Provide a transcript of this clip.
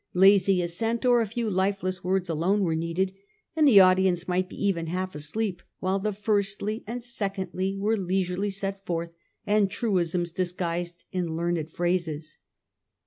Lazy assent or a few lifeless words alone were needed, and the audience might be even half asleep while the firstly " and " secondly" were leisurely set forth, and truisms dis guised in learned phrases.